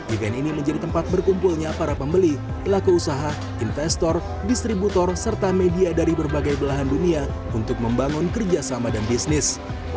event ini menjadi tempat berkumpulnya para pembeli pelaku usaha investor distributor serta media dari berbagai belahan dunia untuk membangun kerjasama dan bisnis